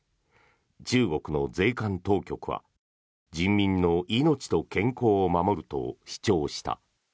中国の税関当局は人民の命と健康を守ると主張した。